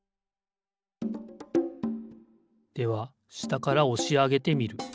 ではしたからおしあげてみる。